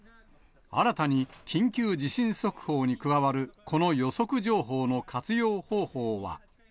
新たに緊急地震速報に加わるこの予測情報の活用方法は。